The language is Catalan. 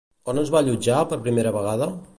On es va allotjar per primera vegada?